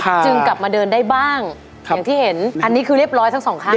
จึงกลับมาเดินได้บ้างอย่างที่เห็นอันนี้คือเรียบร้อยทั้งสองข้าง